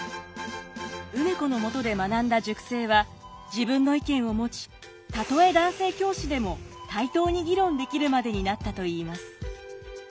梅子のもとで学んだ塾生は自分の意見を持ちたとえ男性教師でも対等に議論できるまでになったといいます。